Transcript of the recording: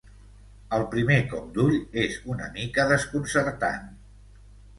Al primer cop d'ull és una mica desconcertant.